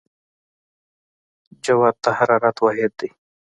جوت د حرارت واحد دی.